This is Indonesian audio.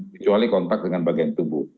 kecuali kontak dengan bagian tubuh